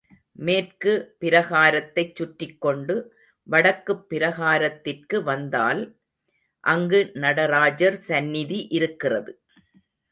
மேற்கு பிராகாரத்தைச் சற்றிக்கொண்டு, வடக்குப் பிராகாரத்திற்கு வந்தால், அங்கு நடராஜர் சந்நிதி இருக்கிறது.